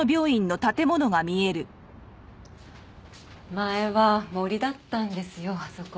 前は森だったんですよあそこ。